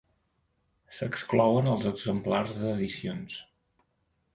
S'exclouen els exemplars d'edicions.